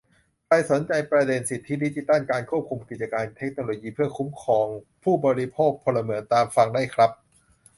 ใครสนใจประเด็นสิทธิดิจิทัล การกำกับกิจการเทคโนโลยีเพื่อคุ้มครองผู้บริโภค-พลเมือง ตามฟังได้ครับ